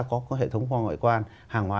có hệ thống kho ngoại quan hàng hóa